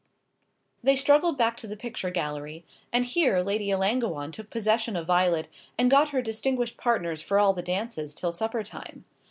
They struggled back to the picture gallery, and here Lady Ellangowan took possession of Violet, and got her distinguished partners for all the dances till supper time.